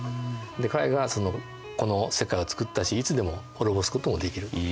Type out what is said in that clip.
彼がこの世界を作ったしいつでも滅ぼすこともできると。